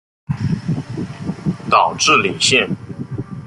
岛智里线